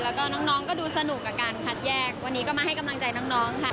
แล้วก็น้องก็ดูสนุกกับการคัดแยกวันนี้ก็มาให้กำลังใจน้องค่ะ